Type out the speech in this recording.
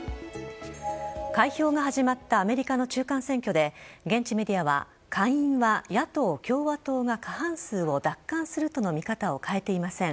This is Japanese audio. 開票が始まったアメリカの中間選挙で現地メディアは下院は野党・共和党が過半数を奪還するとの見方を変えていません。